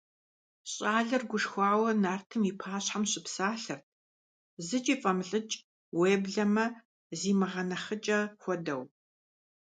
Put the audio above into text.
ЩӀалэр гушхуауэ нартым и пащхьэм щыпсалъэрт, зыкӀи фӀэмылӀыкӀ, уеблэмэ зимыгъэнэхъыкӀэ хуэдэу.